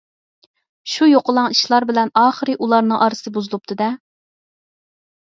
شۇ يوقىلاڭ ئىشلار بىلەن ئاخىرى ئۇلارنىڭ ئارىسى بۇزۇلۇپتۇ-دە.